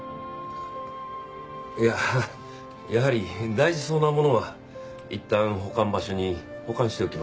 いややはり大事そうなものはいったん保管場所に保管しておきます。